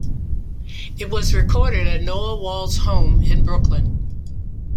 It was recorded at Noah Wall's home in Brooklyn.